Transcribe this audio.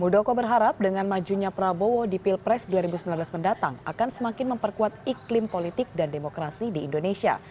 muldoko berharap dengan majunya prabowo di pilpres dua ribu sembilan belas mendatang akan semakin memperkuat iklim politik dan demokrasi di indonesia